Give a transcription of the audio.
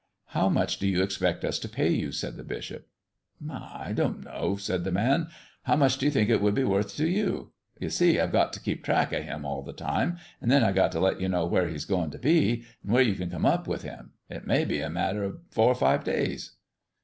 "How much do you expect us to pay you?" said the bishop. "I don't know," said the man. "How much do you think it would be worth to you? You see, I've got to keep track of Him all the time, and then I've got to let you know where He's going to be, and where you can come up with Him. It may be a matter of four or five days."